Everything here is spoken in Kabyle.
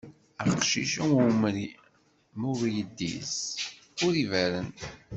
Aqcic am uwri, ma ur iddiz, ur iberren.